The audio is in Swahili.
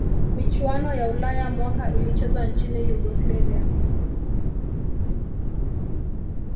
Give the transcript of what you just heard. michuano ya ulaya mwaka ilichezwa nchini yugoslavia